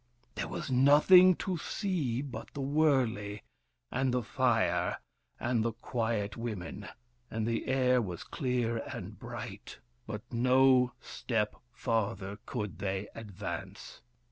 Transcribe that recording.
There was nothing to see but the wurley, and the fire, and the quiet women, and the air was clear and bright. But no step farther could they advance.